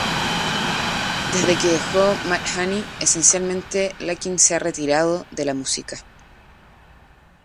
Desde que dejó Mudhoney, esencialmente Lukin se ha retirado de la música.